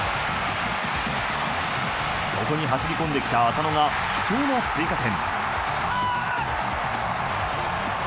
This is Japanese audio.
そこに走り込んできた浅野が貴重な追加点。